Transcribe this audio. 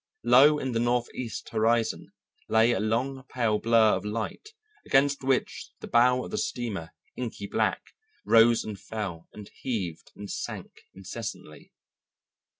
Low in the northeast horizon lay a long pale blur of light against which the bow of the steamer, inky black, rose and fell and heaved and sank incessantly.